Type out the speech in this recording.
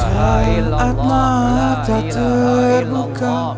saat mata terbuka